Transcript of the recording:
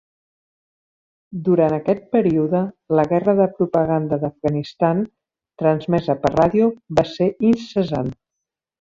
Durant aquest període, la guerra de propaganda d'Afganistan, transmesa per ràdio, va ser incessant.